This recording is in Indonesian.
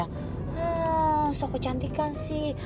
hmm sok kecantikan sih